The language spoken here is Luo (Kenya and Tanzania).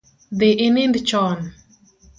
Dhi inind chon